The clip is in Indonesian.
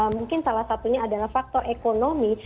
mungkin salah satunya adalah faktor ekonomi